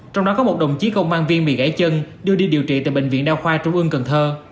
trong đó có một đồng chí công an viên bị gãy chân đưa đi điều trị tại bệnh viện đa khoa trung ương cần thơ